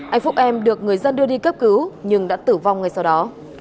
anh phúc em được người dân đưa đi cấp cứu nhưng đã tử vong ngay sau đó